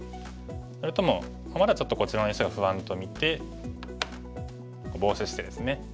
それともまだちょっとこっちの石が不安と見てボウシしてですね